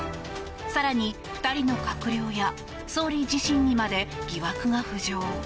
更に、２人の閣僚や総理自身にまで疑惑が浮上。